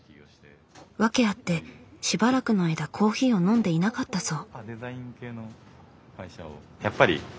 訳あってしばらくの間コーヒーを飲んでいなかったそう。